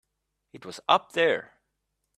It was up there.